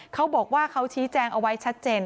เขาบอกว่าเขาชี้แจงเอาไว้ชัดเจน